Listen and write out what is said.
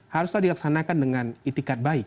haruslah dilaksanakan dengan itikat baik